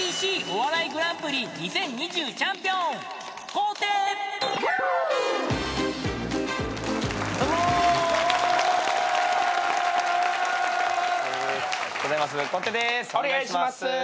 お願いします。